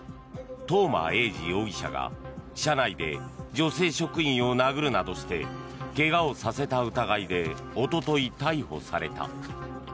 東間永次容疑者が車内で女性職員を殴るなどして怪我をさせた疑いでおととい、逮捕された。